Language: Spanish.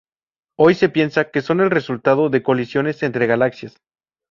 Hoy se piensa que son el resultado de colisiones entre galaxias.